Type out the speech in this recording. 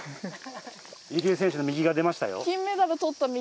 入江選手の右が出ましたよ。